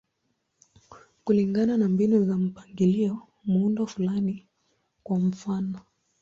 Kulingana na mbinu za mpangilio, muundo fulani, kwa mfano.